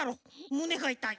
むねがいたい。